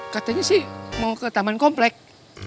katanya sih mau ke taman komplek